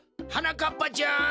はなかっぱちゃん